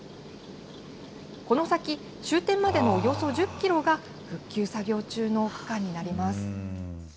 この先、終点までのおよそ１０キロが、復旧作業中の区間になります。